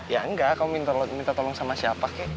ya engga kamu minta tolong sama siapa ke